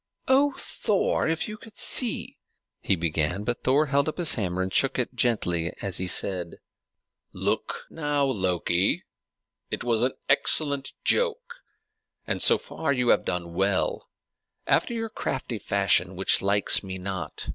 "Oh, Thor! if you could see" he began; but Thor held up his hammer and shook it gently as he said, "Look now, Loki: it was an excellent joke, and so far you have done well, after your crafty fashion, which likes me not.